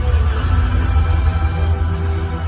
มันเป็นเมื่อไหร่แล้ว